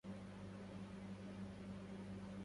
مجرب أنه إذا نسب